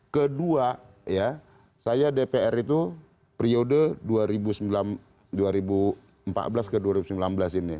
kedua ya saya dpr itu periode dua ribu empat belas ke dua ribu sembilan belas ini